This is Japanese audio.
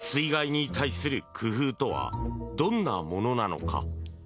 水害に対する工夫とはどんなものなのか？